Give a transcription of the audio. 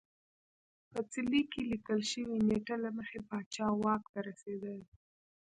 په څلي کې لیکل شوې نېټه له مخې پاچا واک ته رسېدلی